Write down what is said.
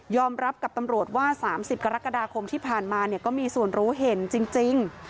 ยอมรับกับตำรวจว่าสามสิบกรกฎาคมที่ผ่านมาเนี่ยก็มีส่วนรู้เห็นจริงจริง